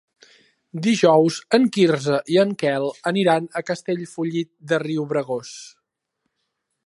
Dijous en Quirze i en Quel aniran a Castellfollit de Riubregós.